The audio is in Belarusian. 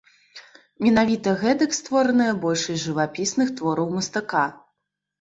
Менавіта гэтак створаная большасць жывапісных твораў мастака.